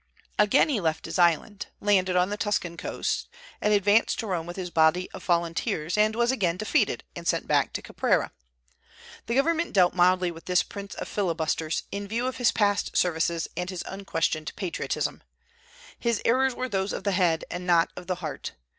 Again he left his island, landed on the Tuscan coast, and advanced to Rome with his body of volunteers, and was again defeated and sent back to Caprera. The government dealt mildly with this prince of filibusters, in view of his past services and his unquestioned patriotism. His errors were those of the head and not of the heart.